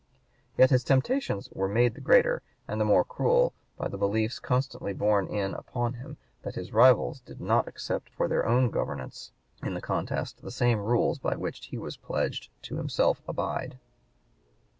Yet his temptations were made the greater and the more cruel by the beliefs constantly borne in upon him that his rivals did not accept for their own governance in the contest the same rules by which he was pledged to himself to abide.